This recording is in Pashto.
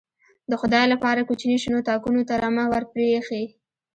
_د خدای له پاره، کوچي شنو تاکونو ته رمه ور پرې اېښې.